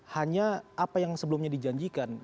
hanya apa yang sebelumnya dijanjikan